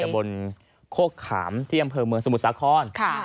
บนโคกขามที่อำเภอเมืองสมุทรสาคร